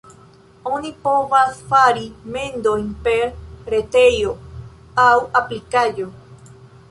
Oni povas fari mendojn per retejo aŭ aplikaĵo.